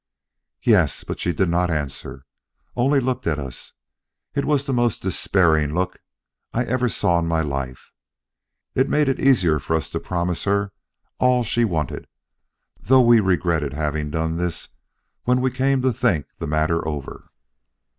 "Yes; but she did not answer, only looked at us. It was the most despairing look I ever saw in my life. It made it easier for us to promise her all she wanted, though we regretted having done this when we came to think the matter over."